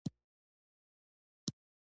په شمال کې ژوند کول ځانګړو خلکو ته اړتیا لري